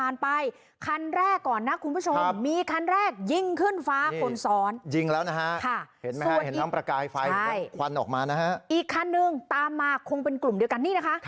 ในมือเขาถืออะไรรู้มั้ยคุณ